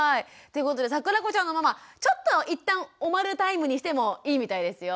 ということでさくらこちゃんのママちょっと一旦おまるタイムにしてもいいみたいですよ。